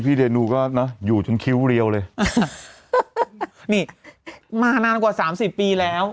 เดนูก็เนอะอยู่จนคิ้วเรียวเลยนี่มานานกว่าสามสิบปีแล้ว